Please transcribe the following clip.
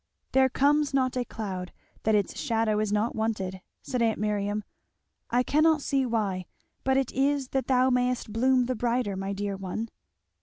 "There comes not a cloud that its shadow is not wanted," said aunt Miriam. "I cannot see why, but it is that thou mayest bloom the brighter, my dear one."